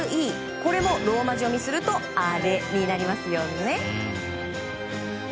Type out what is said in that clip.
これもローマ字読みすると「アレ」になりますよね。